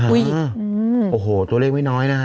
โอ้โหตัวเลขไม่น้อยนะฮะ